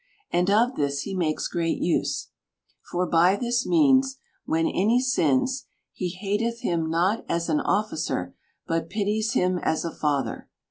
And of this he makes great use. For by this means, when any sins, he hateth him not as an otficer, but pities him as a father.